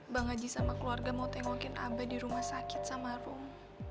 bang haji sama keluarga mau tengokin abah di rumah sakit sama room